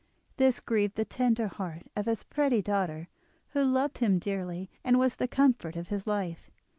This grieved the tender heart of his pretty daughter, who loved him dearly, and was the comfort of his life.